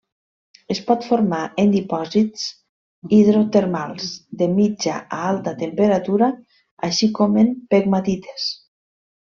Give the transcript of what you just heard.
Es pot formar en dipòsits hidrotermals de mitja a alta temperatura, així com en pegmatites.